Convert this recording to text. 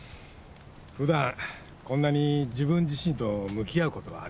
普段こんなに自分自身と向き合うことはありませんからね。